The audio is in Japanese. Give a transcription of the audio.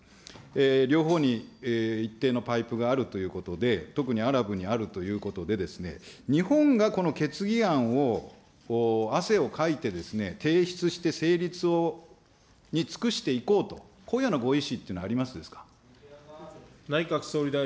両方に一定のパイプがあるということで、特にアラブにあるということでですね、日本がこの決議案を汗をかいてですね、提出して成立に尽くしていこうと、こういうようなご意思っていうのはありますか。